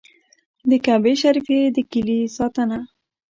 د کعبې شریفې د کیلي ساتنه.